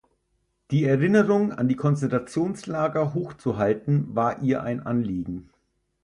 Die Erinnerung an die Konzentrationslager hoch zu halten, war ihr ein Anliegen.